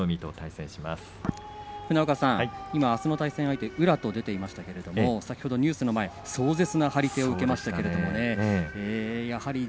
今あすの対戦相手、宇良と出ていましたが先ほどニュースの前、壮絶な張り手を受けましたけれどもね。